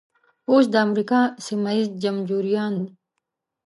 اوس د امریکا سیمه ییز جمبوریان.